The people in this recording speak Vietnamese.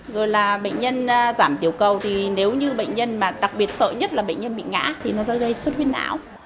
rồi là bệnh nhân giảm tiểu cầu thì nếu như bệnh nhân mà đặc biệt sợ nhất là bệnh nhân bị ngã thì nó đã gây suốt huyết não